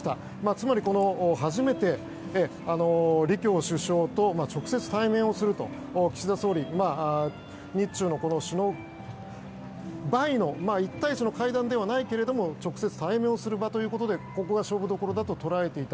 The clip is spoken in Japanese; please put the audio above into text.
つまり初めて李強首相と直接対面をすると岸田総理、日中のバイの１対１の会談ではないですけれども直接、対面をする場ということでここが勝負どころだと捉えていた。